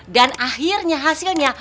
dan akhirnya hasilnya